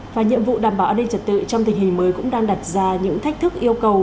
và nhiệm vụ đảm bảo an ninh trật tự trong tình hình mới cũng đang đặt ra những thách thức yêu cầu